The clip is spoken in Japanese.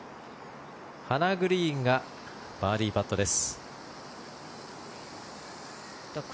ハナ・グリーンがバーディーパットです。